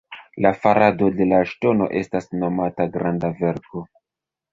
La farado de la Ŝtono estas nomata Granda Verko.